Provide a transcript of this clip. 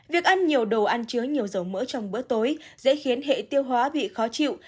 việc ăn nhiều đồ ăn chứa nhiều dầu mỡ trong bữa tối dễ khiến hệ tiêu hóa bị khó chịu